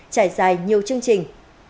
trải dài nhiều chương trình